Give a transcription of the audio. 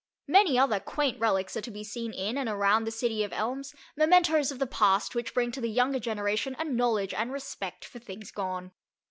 Many other quaint relics are to be seen in and around the city of elms, mementos of the past which bring to the younger generation a knowledge and respect for things gone.